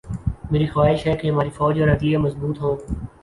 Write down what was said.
میری خواہش ہے کہ ہماری فوج اور عدلیہ مضبوط ہوں۔